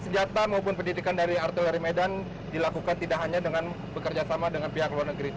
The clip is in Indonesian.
modernisasi sistem senjata maupun pendidikan dari artillery medan dilakukan tidak hanya dengan bekerjasama dengan pihak luar negeri